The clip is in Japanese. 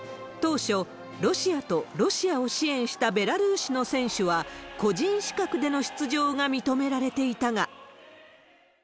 当初、ロシアと、ロシアを支援したベラルーシの選手は、個人資格での出場が認められていたが。